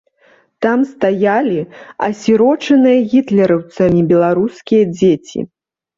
Там стаялі асірочаныя гітлераўцамі беларускія дзеці.